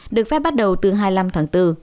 được phép bắt đầu từ hai mươi năm tháng bốn